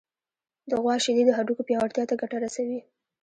د غوا شیدې د هډوکو پیاوړتیا ته ګټه رسوي.